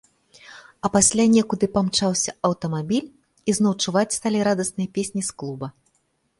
А пасля некуды памчаўся аўтамабіль, і зноў чуваць сталі радасныя песні з клуба.